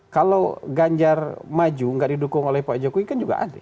kalau ganjar maju nggak didukung oleh pak jokowi kan juga aneh